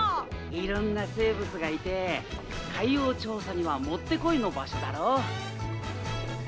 いろんな生物がいて海洋調査にはもってこいの場所だろ？